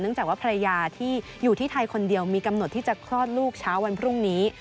จากว่าภรรยาที่อยู่ที่ไทยคนเดียวมีกำหนดที่จะคลอดลูกเช้าวันพรุ่งนี้